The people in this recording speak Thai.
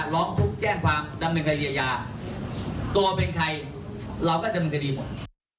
ร้องทุกข์แจ้งความดำเนินคดีอาญาตัวเป็นใครเราก็ดำเนินคดีหมด